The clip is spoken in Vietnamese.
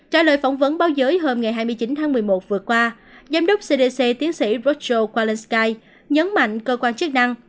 trả lời phỏng vấn báo giới hôm hai mươi chín tháng một mươi một vừa qua giám đốc cdc tiến sĩ rochelle qualensky nhấn mạnh cơ quan chức năng